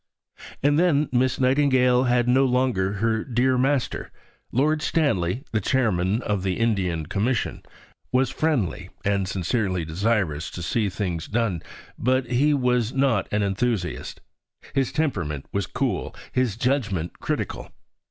And then Miss Nightingale had no longer her "dear master." Lord Stanley, the Chairman of the Indian Commission, was friendly, and sincerely desirous to see things done; but he was not an enthusiast. His temperament was cool; his judgment, critical.